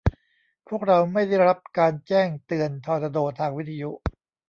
พวกเราไม่ได้รับการแจ้งเตือนทอร์นาโดทางวิทยุ